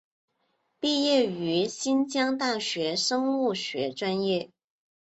毕业于新疆大学生物学专业。